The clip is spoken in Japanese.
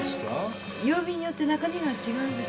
曜日によって中身が違うんです。